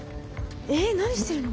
えっ何してるの？